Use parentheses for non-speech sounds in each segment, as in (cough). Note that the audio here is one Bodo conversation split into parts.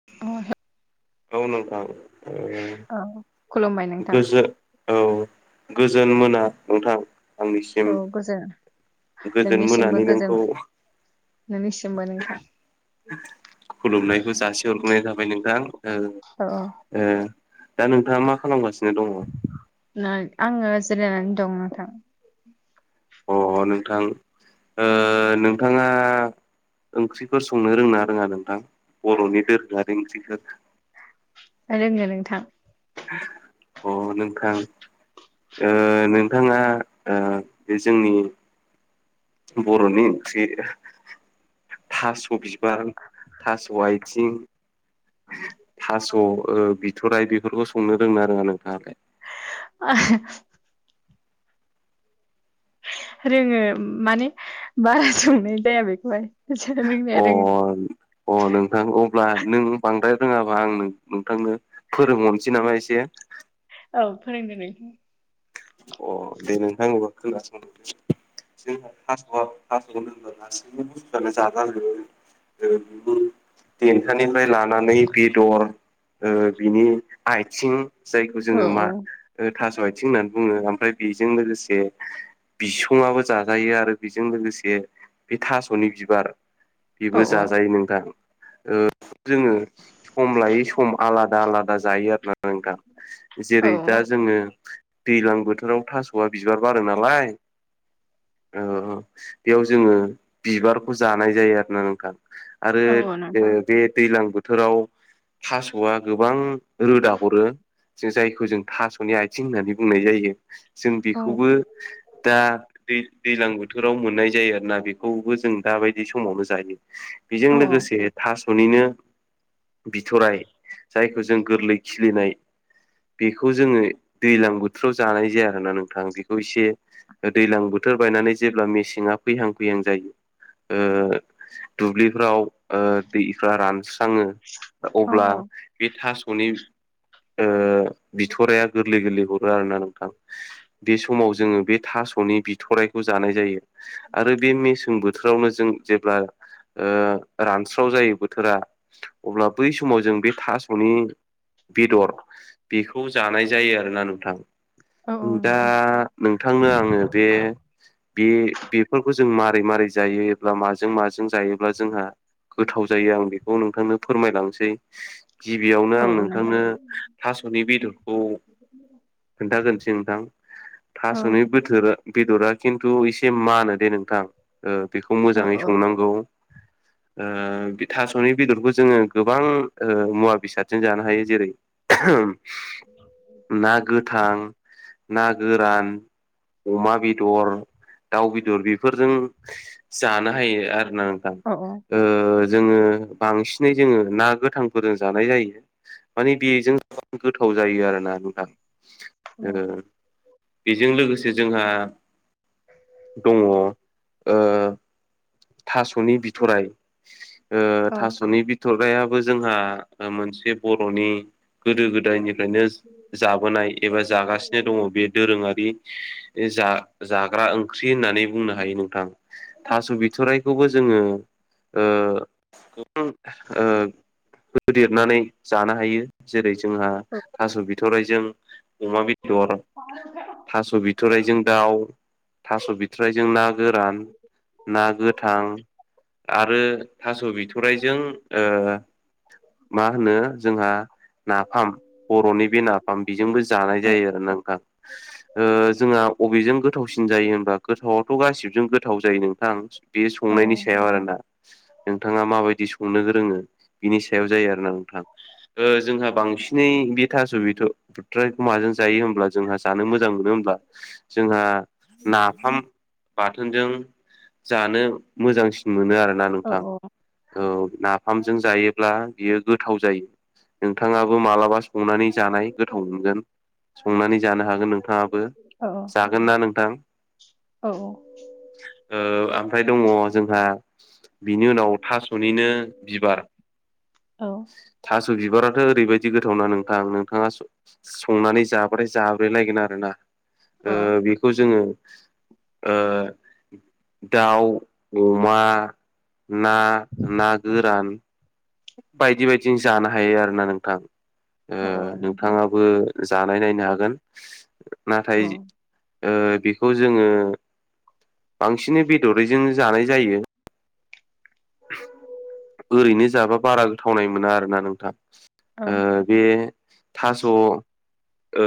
(inaudible) औ नोंथां ओ औ खुलुमबाय नोंथां गोजो औ गोजोन मोना नोंथां। आंनिसिम औ गोजो गोजोन मोनानि नोंनिसिमबो गोजो नोंखौ नोंनिसिमबो नोंथां। खुलुमनायखौ जासि हरग्रोनाय थाबाय नोंथां ओ अ ओ दा नोंथांङा मा खालामगासिन नो दङ? आङो जिरायनानै दं नोंथां। अ नोंथां ओ नोंथाङा ओंख्रिफोर संनो रोंना रोङा नोंथां बर'नि दोरोङारि ओंख्रिफोर? रोङो नोंथां। अ नोंथां ओ नोंथाङा ओ बे जोंनि बर'नि ओंख्रि थास' बि बार, थास' आथिं, थास' ओ बि थराइ बेफोरखौ संनो रोंना रोङा नोंथाङालाय? (inaudible) रोङो माने बारा संनाय जाया बेखौहाय। (inaudible) अ अ नोंथां अब्ला नों बांद्राय रोंआबा आं नोंथांनो फोरोंहरसै नामा एसे औ फोरोंदो नोंथां अ दे नोंथां अब्ला खोनास'दो जोंहा थास'आ थास' होनोबा गासैबो मुसथुआनो जाजा जोबो जों बिगुर दन्थानिफ्राय लानानै बेदर ओ बिनि आथिं जायखौ औ जोंङो मा ओ थास' आथिं होननानै बुंङो आमफ्राय बेजों लोगोसे बिसंआबो जाजायो आरो बेजों लोगोसे बे थास'नि बिबार औ बेबो औ जाजायो नोंथां ओ जोंङो सम लायै सम आलादा आलादा आलादा जायो आरो ना नोंथां जेरै दा जोंङो दैज्लां बोथोराव थास'आ बिबार बारो नालाय ओ बेआव जोंङो बिबारखौ जानाय जायो आरो ना नोंथां आरो औ औ ओ नोंथां बे दैज्लां बोथोराव थास'आ गोबां रोदा ह'रो जों जायखौ जों थास'नि आथिं होननानै बुंनाय जायो जों बेखौबो दा दै दैज्लां बोथोराव मोननाय जायो आरोना बेखौबो जों दाबायदि समावनो जायो हो बेजों लोगोसे थास'निनो बिथ'राय जायखौ जों गोरलै खिलिनाय बेखौ जोङो दैज्लां बोथोर बोथोराव जानाय जाया आरो ना नोंथां बेखौ एसे दैज्लां बोथोरा बायनानै जेब्ला मेसेंआ फैहां फैहां जायो ओ दुब्लिफ्राव ओ दैफ्रा रानस्राङो अब्ला बे थास'नि ओ बिथराया गोरलै गोरलै हर आरोना नोंथां हो बे समाव जोङो बे थास'नि बिथराइखौ जानाय जायो हो आरो बे मेसें बो थोरावनो जों जेब्ला ओ रानस्राव जायो बोथोरा अब्ला बै समाव जों बे थास'नि बेदर बेखौ जानाय जायो आरोना नोंथां ओ दा नोंथांनो आङो बे बे‌ बेफोरखौ जों मारै मारै जा जायोब्ला माजों माजों जायोब्ला जोंहा गोथाव जायो आं बेखौ नोंथांनो फोरमायलांसै गिबिआवनो औ आं औ नोंथां औ नोंथां नोंथांनो थास'नि बेदरखौ जागोनसै नोंथां औ थासनि बोथार बेदरा खिन्थु एसे मानो दे नोंथां ओ बेखौ औ मोजाङै औ संनांगौ (inaudible) ओ बे थास'नि बेदरखौ जोङो गोबां मुवा बेसादजों जानो हायो जेरै उम ना गोथां ना गोरान अमा बेदर दाउ बेदर बेफोरजों जानो हायो आरो ना नों थां औ ओ जोङो बांसिनै जोङो ना गोथांफोरजों जानाय जायो मानि बेजों गोथाव जायो आरोना नोंथां ओ औ बेजों लोगोसे जोंहा दङ ओ थास'नि बिथ'राय ओ थास'नि बिथरायाबो जोंहा मोनसे बर'नि गोदो गोदायनिफायनो जाबोनाय एबा जागासिनो दङ बे दोरोंआरि हो जा जाग्रा ओंख्रि होननानै बुंनो हायो नोंथां थास' बिथ'राइखौबो जोङो ओ उम ओ होदेरनानै जानो हायो जेरै जोंहा थास' बिथ' थ'रायजों अमा बेदर थास' बिथरायजों दाउ थास' बिथरायजों ना गोरान ना गोथां आरो थास' बिथरायजों ओ मा होनो जोंहा नाफाम बर'नि बे नाफाम बेजोंबो जानाय जायो आरो ना नोंथां। ओ जोंहा अबेजों गोथावसिन जायो होनबा गोथावथ' गासिबजों गोथाव जायो नोंथां। बे संनायनि सायाव आरोना नोंथाङा माबायदि संनो रोङो बिनि सायाव जायो आरो ना नोंथां। ओ जोंहा बांसिनै बे थास' बेथ' बिथरायखौ माजों जायो होमब्ला जोंहा जानो मोजां मोनो होमब्ला जोंहा नाफाम बाथोनजों जानो मोजांसिन मोनो आरोना औ नोंथां औ औ नाफामजों जायो ब्ला बियो गोथाव जायो नोंथाङाबो मालाबा संनानै जानाय गोथाव मोनगोन संनानै जानो हागोन नोंथाङाबो औ जागोन ना नोंथां? औ औ ओ ओमफ्राय दङ जोंहा बिनि उनाव थास'निनो बिबार। औ थास' बिबाराथ' ओरैबायदि गोथावना नोंथां नोंथाङा सं संनानै जाब्राय जाब्रायलायगोन आरोना अ ओ बेखौ जोङो ओ दउ अमा ना ना गोरान बायदि बायदि जानो हायो आरो ना नोंथां औ ओ औ नोंथां नोंथाङाबो जानाय नायनो हागोन औ नाथाय ओ बेखौ जोङो बांसिन बेदरैजों जानाय जायो ओरैनो जाबा बारा गोथावनाय मोना आरोना नोंथां औ ओ बे थास' ओ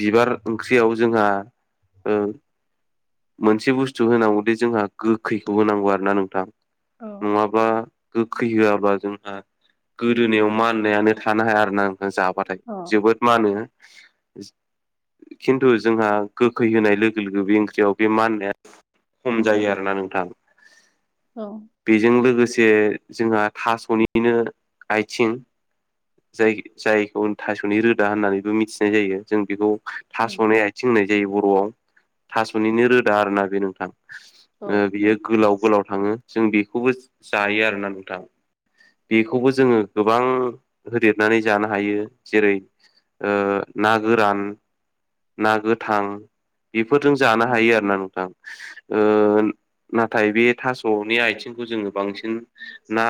बिबार ओंख्रियाव जोंहा ओ मोनसे बुस्थु होनांगौदि जोंहा गोखैखौ होनांगौ आरो ना नोंथां औ अ नङाबा बा गोखै होआब्लाा जोंहा गोदोनायाव माननायानो थानो हाया आरो ना जाब्लाथाय जोबोद मा होनो खिन्थु जोंहा गोखै होनाय लोगो लोगो बे ओंख्रियाव बे माननाया खम जायो आरोना नोंथां औ बेजों लोगोसे जोंहा थास'निनो आयथिं जाय जायखौ थास'नि रोदा होननानैबो मिथिनाय जायो जों बेखौ उम थास'नाय आथिं होनाय जायो बर'आव निनो रोदा आरोना बे नोंथां औ बियो गोलाव गोलाव थाङो जों बेखौबो जायो आरोना नोंथाङा बेखौबो जोङो गोबां होदेरनानै जानो हायो जेरै ओ ना गोरान ना गोथां बेफोरजों जानो हायो आरोना नोंथां नाथाय बे थास'नि आथिंखौ जोङो बांसिन ना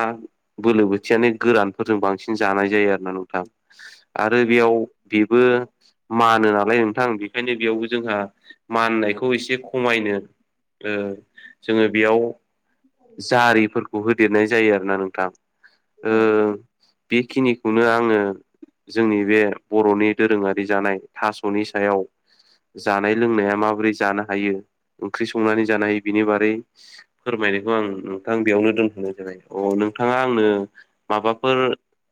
बोलो बोथियानो गोरानफोरजों बांसिन बांसिन जानाय जायो आरो ना नोंथां आरो औ बेयाव बेबो मानो नालाय नोंथां बेखायनो बेयावबो जोंहा माननायखौ एसे खमायनो ओ जोङो बेयाव जारिफोरखौ होदेरनाय जायो आरोना नोंथां औ ओं बेखिनिखौनो आङो जोंनि बे बर'नि दोरोङारि जानाय थास'नि सायाव जानाय लोंनाया माबोरै जानो हायो ओंख्रि संनानै जानो हायो बिनि बारै फोरमायनायखौ आं नोंथां बेयावनो दोनथ'नाय जाबाय अ नोंथाङा आंनो माबाफोर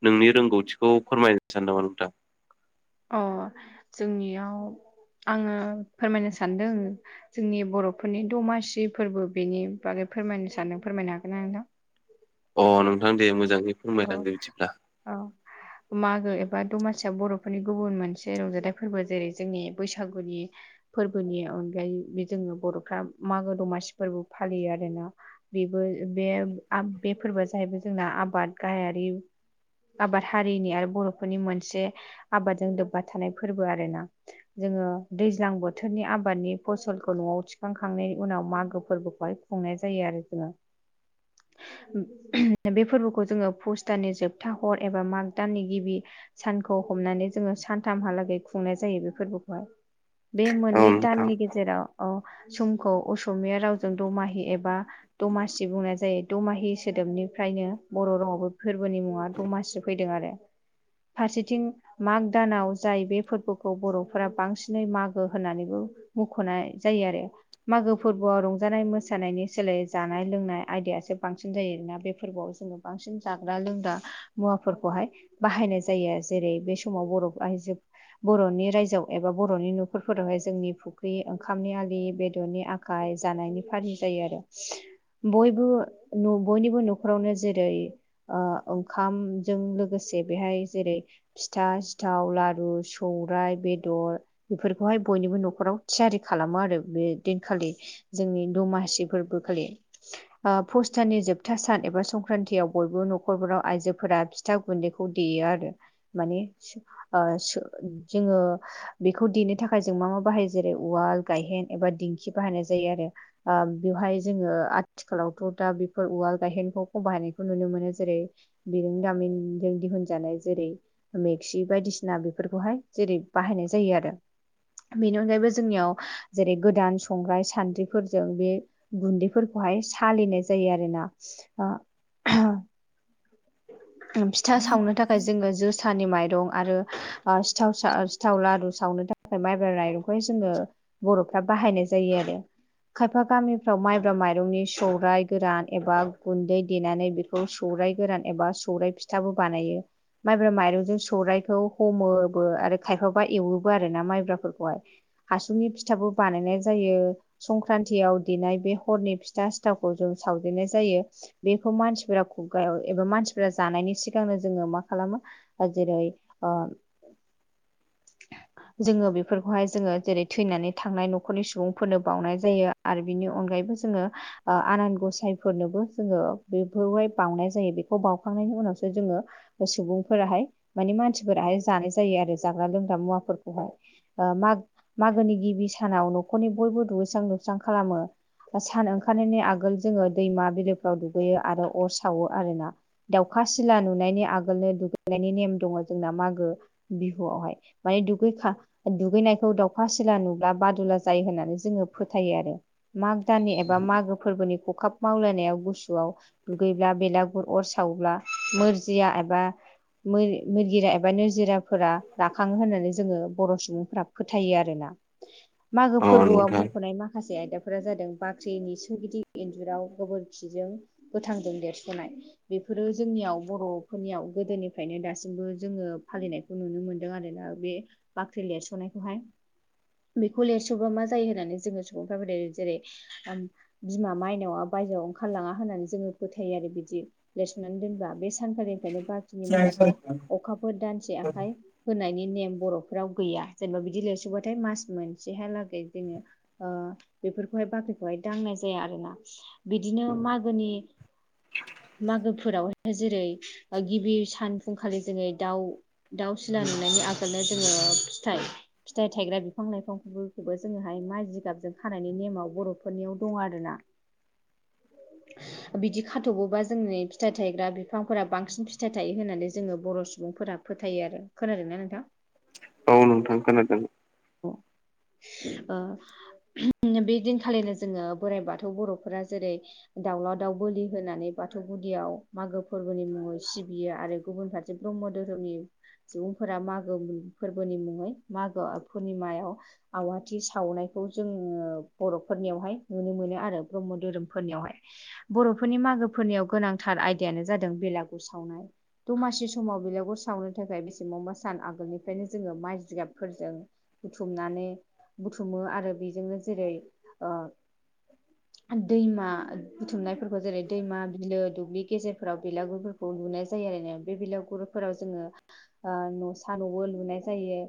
नोंनि रोंगौथिखौ फोरमायनो सानदों नामा नोंथां अ जोंनियाव आङो फोरमायनो सानदों जोंनि बर'फोरनि दमासि फोरबो बेनि बागै फोरमायनो सानदों फोरमायनो हागोना नोंथां अ नोंथां दे मोजाङै औ फोरमायलांदो बिदिब्ला औ मागो एबा दमासिया बर'फोरनि गुबुन मोनसे रंजाथाइ फोरबो जेरै जोंनि बैसागुनि फोरबोनि अनगायै बे जोङो बर'फ्रा मागो दमासि फोरबो फालियो आरोना बेबो बे बे फोरबोआ जाहैबाय जोंना आबाद गाहायारि आबाद हारिनि आरो बर'फोरनि मोनसे आबादजों लोब्बा थानाय फोरबो आरोना जोङो दैज्लां बोथोरनि आबादनि फसलखौ न'आव थिखांखांनायनि उनाव मागो फोरबोखौहाय खुंनाय जायो आरो जोङो बे फोरबोखौ जोङो पुस्टाननि जोबथा हर एबा माग दाननि गिबि सानखौ हमनानै जोङो सानथामहालागै खुंनाय जायो बे फोरबोखौहाय बे औ मोननै नोंथां दाननि गेजेराव ओ समखौ असमिया रावजों दमाहि एबा दमासि बुंनाय जायो दमाहि सोदोबनिफ्रायनो बर' रावआवबो फोरबोनि मुङा दमासि फैदों आरो फारसेथिं माग दानाव जाय बे फोरबोखौ बर'फोरा बांसिनै मागो होननानैबो मख'नाय जायो आरो मागो फोरबोआव रंजानाय मोसानायनि सोलाय जानाय लोंनाय आयदायासो बांसिन जायो आरोना बे फोरबोआव बानसिन जाग्रा लोंग्रा मुवाफोरखौहाय बाहायनाय जायो जेरै बे समाव बर' आइजो बर'नि रायजोआव एबा बर'नि न'खरफोरावहाय जोंनि फुख्रि ओंखामनि आलि बेदरनि आ थाखाय जानायनि फारि जायो आरो बयबो बयनिबो न'खरावनो जेरै ओंखामजों लोगोसे बेहाय जेरै फिथा सिथाव लारु सौरायाइ बेदर बेफोरखौहाय बयनिबो न'खराव थियारि खालामो आरो बे दिनखालि जोंनि दमासि फोरबो खालि पस्ताननि जोबथा सान एबा संक्रान्तियाव बयबो न'खरफोराव आइजोफोरा फिथा गुन्दैखौ देयो आरो माने जोङो बेखौ देनो थाखाय जों मा मा बाहायो जेरै उवाल गाहेन एबा दिंखि बाहायनाय जायो आरो बेवहाय जोङो आथिखालावथ' दा बेफोर उवाल गायहेनखौ बाहायनायखौ नुनो मोनो जेरै बिजों दामिनजों दिहुनजानाय जेरै मेक्सि बायदिसिना बेफोरखौहाय जेरै बाहायनाय जायो आरो बेनि अनगायैबो जोंनियाव जेरै गोदान संग्राय सान्द्रिफोरजों बे गुन्दैफोरखौहाय सालिनाय जायो आरोना फिथा सावनो थाखाय जोङो जोसानि माइरं आरो सिथाव सिथाव लारु सावनो थाखाय माइब्रा माइरंखौहाय जोङो बर'फ्रा बाहायनाय जायो आरो खायफा गामिफ्राव माइब्रा माइरंनि सौरायाइ गोरान एबा गुन्दै देनानै बेखौ सौराइ गोरान एबा सौराइ फिथाबो बानायो माइब्रा माइरंजों सौराइखौ हमोबो आरो खायफाबा एवोबो आरो ना माइब्राफोरखौहाय हासुनि फिथाबो बानायनाय जायो संक्रान्तियाव देनाय बे हरनि फिथा सिथावखौ जों सावदेननाय जायो बेखौ मानसिफोरा खुगायाव एबा मानसिफोरा जानायनि सिगांनो जोङो मा खालामो जेरै (unintelligible) जोङो बेफोरखौहाय जोङो जेरै थैनानै थांनाय न'खरनि सुबुंफोरनो बावनाय जायो आरो बिनि अनगायैबो जोङो आनान गसायफोरनोबो जोङो बेफोरहाय बावउनाय जायो बेखौ बावउखांनायनि उनावसो जोङो सुबुंफोराहाय माने मानसिफोराहाय जानाय जायो आरो जाग्रा लोंग्रा मुवाफोरखौहाय मा-मागोनि गिबि सानाव न'खरनि बयबो दुगैस्रां लुस्रां खालामो। सान ओंखारनायनि आगोल जोङो दैमा बिलोफ्राव दुगैयो आरो अर सावो आरोना दाउखा सिला नुनायनि आगोलनो दुगैनायनि नेम दङ जोंना मागो बिहुआवहाय मान दुगै खा दुगैनायखौ दावउखा सिला नुब्ला बादुला जायो होननानै जोङो फोथायो आरो मागो दाननि एबा मागो फोरबोनि खखाब मावलायनायाव गुसुआव दुगैब्ला बेलागुर अर सावोब्ला मोरजिया एबा मो-मोरगिरा एबा नोरजिराफोरा राखङो होननानै जोङो बर' सुबुंफोरा फोथायो आरोना मागो औ फोरबोआव नोंथां मख'नाय माखासे आयदा फोरा जादों बाख्रिनि सोरगिदिंर इन्जुराव गोबोरखिजों गोथांजों देरस'नाय बेफोरो जोंनियाव बर'फोरनियाव गोदोनिफ्रायनो दासिमबो जोङो फालिनाय नुनो मोनदों आरोना बे बाख्रि लिरस'नायखौहाय बेखौ लेरसोबा मा जायो होननानै जोङो सुबुंफ्रा जेरै बिमा मायनावा बायजोआव ओंखारलाङा होननानै जोङो फोथायो आरो बिदि लिरसननानै दोनबा बे सानखालिनिफ्रायनो बा नि माइनाखौ अखाफोर दानसे आखाइ होनायनि नेम बर'फोराव गैया जेनेबा बिदि लिरसबाथाय मास मोनसेहालागै जोङो ओ बेफोरखौहाय बाख्रिखौहाय दांनाय जाया आरोना बिदिनो मागोनि मागोफोरावाहाय जेरै गिबि सान फुंखालि जोङै दाउ दाउ सिला नुनायनि आगोलनो जोङो फिथाइ फिथाइ थायग्रा बिफां-लाइफांबो जोङोहाय माइ जिगाबजों खानायनि नेमाव बर'फोरनियाव दं आरोना बिदि खाथ'बोबा जोंनि फिथाइ थायग्रा बिफांफोरा बांसिन फिथाइ थायो होननानै जोङो बर' सुबुंफोरा फोथायो आरो खोनादों ना नोंथां? औ नोंथां खोनादों अ ओ बे दिनखालिनो जोङो बोराइ बाथौ बर'फोरा जेरै दाउला दाउ बोलि होनानै बाथौ गुदियाव मागो फोरबोनि मुङाव सिबियो आरो गुबुन फारसे ब्रह्म धोरोमनि सुबुंफोरा मागो फोरबोनि मुङै मागो पुर्निमायाव आवाथि सावनायखौ जोङो बर'फोरनियावहाय नुनो मोनो आरो ब्रह्म धोरोमफोरनियावहाय बर'फोरनि मागोफोरनियाव गोनांथार आयदायानो जादों बेलागुर सावनाय दमासि समाव बिलागुर सावनो थाखाय बेसेबावबा सान आगोलनिफ्रायनो जोङो माइ जिगाबफोरजों बुथुमनानै बुथुमो आरो बेजोंनो जेरै ओ दैमा बुथुमनाय फोरखौ जेरै दैमा बिलो दुब्लि गेजेरफोराव बिलागुरफोरखौ लुनाय जायो आरोना बे बिलागुरफोराव जोङो ओ न'सा न'बो लुनाय जायो।